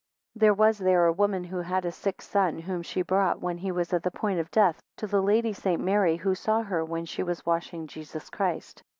2 There was there a woman who had a sick son, whom she brought, when he was at the point of death, to the Lady St. Mary, who saw her when she was washing Jesus Christ.